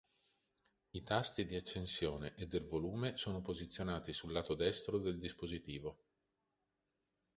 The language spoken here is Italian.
I tasti di accensione e del volume sono posizionati sul lato destro del dispositivo.